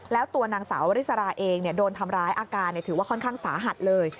แล้วตัวนางสาววริสราเองโดนทำร้ายอาการถือว่าค่อนข้างสาหัสเลย